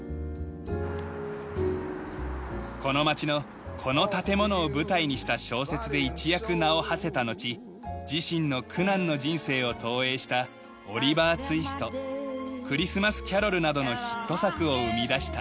この町のこの建物を舞台にした小説で一躍名をはせたのち自身の苦難の人生を投影した『オリヴァー・ツイスト』『クリスマス・キャロル』などのヒット作を生み出した。